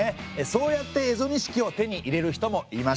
そうやって蝦夷錦を手に入れる人もいました。